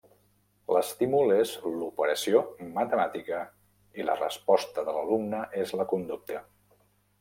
L'estímul és l'operació matemàtica i la resposta de l'alumne és la conducta.